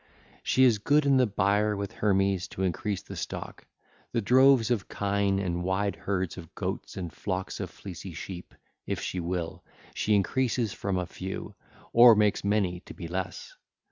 She is good in the byre with Hermes to increase the stock. The droves of kine and wide herds of goats and flocks of fleecy sheep, if she will, she increases from a few, or makes many to be less.